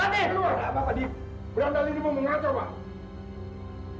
bapak adib berandang lirikmu mengacau pak